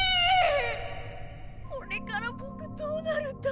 これから僕どうなるんだろう。